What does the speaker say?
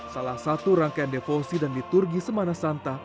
salah satu rangkaian defosi dan liturgi semana santa